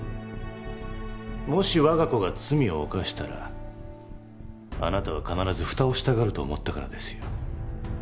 もし我が子が罪を犯したらあなたは必ずふたをしたがると思ったからですよ。